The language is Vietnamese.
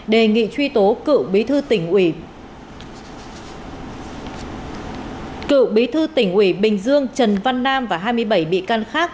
đề nghị truy tố cựu bí thư tỉnh ủy bình dương trần văn nam và hai mươi bảy bị căn khác